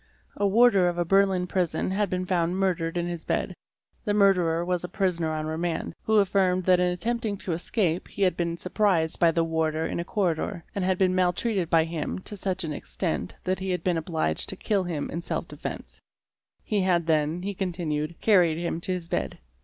A warder of a Berlin prison had been found murdered in his bed ; the murderer was a prisoner on remand, who affirmed that in attempting to escape he had been surprised by the warder in a corridor, and had been maltreated by him to such an extent that he had been ob liged to kill him in self defence ; he had then, he continued, carried him to his bed.